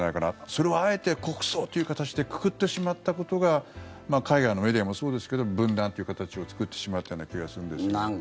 それをあえて国葬という形でくくってしまったことが海外のメディアもそうですけど分断という形を作ってしまったような気がするんです。